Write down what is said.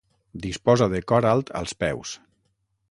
Disposa de cor alt als peus.